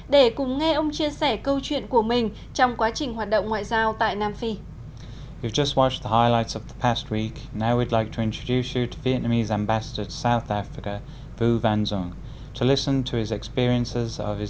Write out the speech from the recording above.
để cùng nghe ông chia sẻ câu chuyện của mình trong quá trình hoạt động ngoại giao tại nam phi